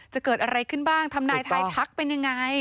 จะเกิดอะไรขึ้นบ้างทำนายทายทักเป็นยังไง